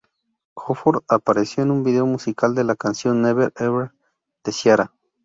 Horford apareció en un vídeo musical de la canción Never Ever de Ciara.